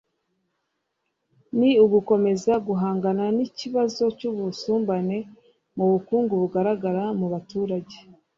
ni ugukomeza guhangana n’ikibazo cy’ubusumbane mu bukungu bugaragara mu baturage